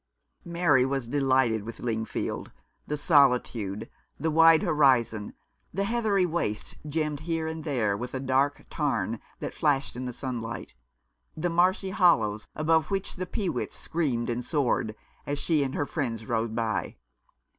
323 Rough Justice. Mary was delighted with Lingfield — the solitude, the wide horizon, the heathery wastes, gemmed here and there with a dark tarn that flashed in the sunlight, the marshy hollows above which the peewits screamed and soared, as she and her friends rode by.